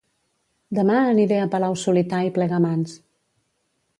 Dema aniré a Palau-solità i Plegamans